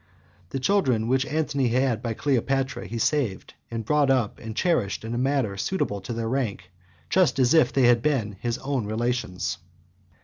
The children which Antony had by Cleopatra he saved, and brought up and cherished in a manner suitable to their rank, just as if they had been his own relations.